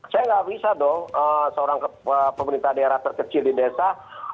saya nggak bisa dong seorang pemerintah daerah terkecil di desa